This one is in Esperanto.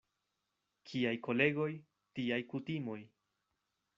Kiaj kolegoj, tiaj kutimoj.